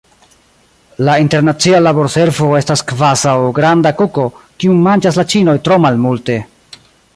La internacia laborservo estas kvazaŭ granda kuko, kiun manĝas la ĉinoj tro malmulte.